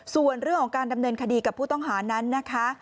ส่วนเรื่องของการดำเนินคดีกับผู้ต้องหานั้นนะคะ